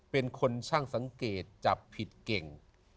เป็นคนช่างสังเกตจับผิดเก่ง